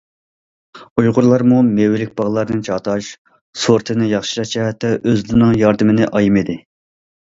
ئۇيغۇرلارمۇ مېۋىلىك باغلارنى چاتاش، سورتىنى ياخشىلاش جەھەتتە ئۆزلىرىنىڭ ياردىمىنى ئايىمىدى.